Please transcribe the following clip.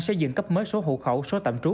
xây dựng cấp mới số hộ khẩu số tạm trú